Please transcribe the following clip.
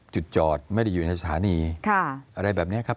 จุดจอดไม่ได้อยู่ในสถานีอะไรแบบนี้ครับ